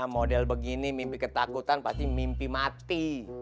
model begini mimpi ketakutan pasti mimpi mati